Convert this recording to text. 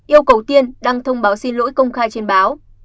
yêu cầu tiên đăng thông báo xin lỗi công khai trên báo